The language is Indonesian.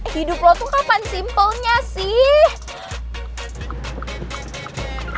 hidup lo tuh kapan simpelnya sih